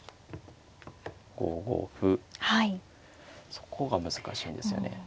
そこが難しいんですよね。